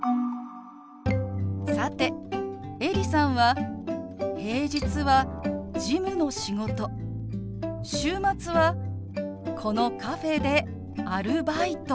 さてエリさんは平日は事務の仕事週末はこのカフェでアルバイト。